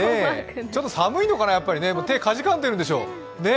ちょっと寒いのかな、手かじかんでるんでしょ？